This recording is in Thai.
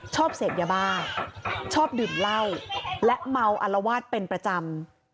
ชอบเสพยาบ้าชอบดื่มเหล้าและเมาอลวาดเป็นประจำ